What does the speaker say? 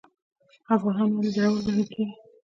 افغانان ولې زړور بلل کیږي؟